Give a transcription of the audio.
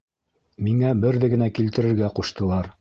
—Миңә берҙе генә килтерергә ҡуштылар.